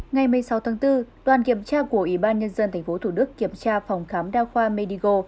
ngày một mươi sáu tháng bốn đoàn kiểm tra của ủy ban nhân dân tp thủ đức kiểm tra phòng khám đa khoa medigo